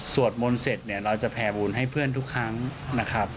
สวดมนตร์เสร็จเราจะแพร่บุญให้เพื่อนทุกครั้งนะครับ